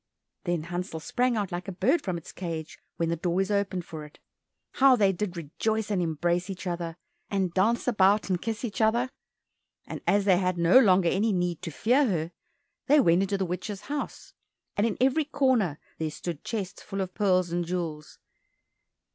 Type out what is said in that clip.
Then Hansel sprang out like a bird from its cage when the door is opened for it. How they did rejoice and embrace each other, and dance about and kiss each other! And as they had no longer any need to fear her, they went into the witch's house, and in every corner there stood chests full of pearls and jewels.